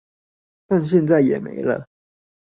但現在也沒了